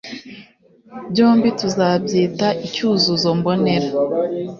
byombi tuzabyita icyuzuzo mbonera